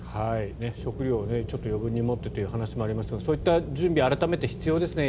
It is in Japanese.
食料をちょっと余分に持ってという話もありましたがそういった準備改めて必要ですね。